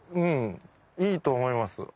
うんいいと思います。